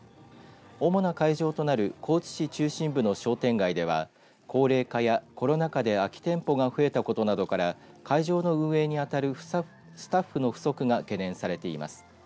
主な会場となる高知市中心部の商店街では高齢化やコロナ禍で空き店舗が増えたことなどから会場の運営に当たるスタッフの不足が懸念されています。